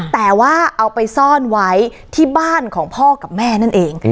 แต่ว่าเอาไปซ่อนไว้ที่บ้านของพ่อกับแม่นั่นเอง